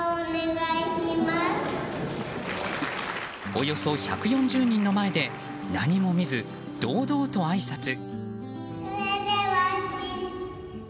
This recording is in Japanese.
およそ１４０人の前で何も見ず堂々とあいさつ。